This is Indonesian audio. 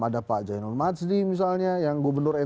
ada pak jainul majdi misalnya yang gubernur ntb